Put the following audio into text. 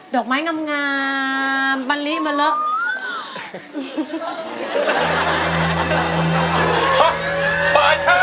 ดอกไม้งามบรรลิมาเล้ว